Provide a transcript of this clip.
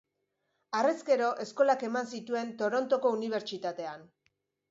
Harrezkero, eskolak eman zituen Torontoko Unibertsitatean.